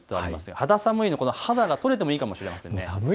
肌寒いの肌が取れてもいいかもしれません。